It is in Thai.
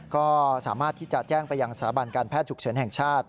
ก็สามารถที่จะแจ้งไปยังสถาบันการแพทย์ฉุกเฉินแห่งชาติ